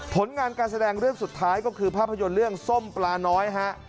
ผลงานการแสดงเรื่องสุดท้ายก็คือภาพยนตร์เรื่องส้มปลาน้อยฮะ